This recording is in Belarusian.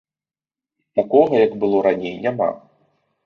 Такога, як было раней, няма.